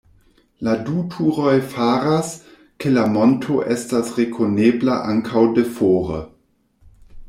La du turoj faras, ke la monto estas rekonebla ankaŭ de fore.